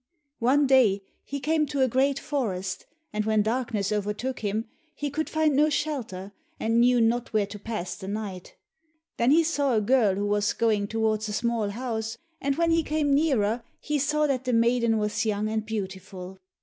One day he came to a great forest, and when darkness overtook him he could find no shelter, and knew not where to pass the night. Then he saw a girl who was going towards a small house, and when he came nearer, he saw that the maiden was young and beautiful.